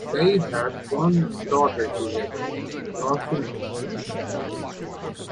They had one daughter together, Rosines.